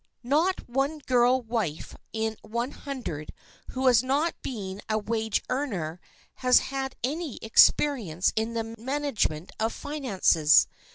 Not one girl wife in one hundred, who has not been a wage earner, has had any experience in the management of finances.